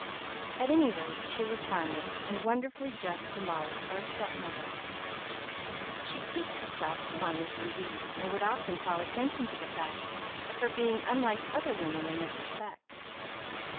At any rate, she was harmless, and wonderfully just to Molly for a stepmother. She piqued herself upon this indeed, and would often call attention to the fact of her being unlike other women in this respect.